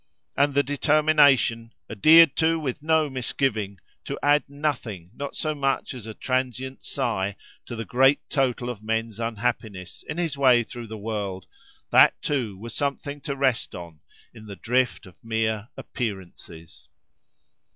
And the determination, adhered to with no misgiving, to add nothing, not so much as a transient sigh, to the great total of men's unhappiness, in his way through the world:—that too was something to rest on, in the drift of mere "appearances."